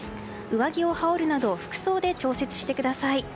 上着を羽織るなど服装で調節してください。